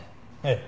ええ。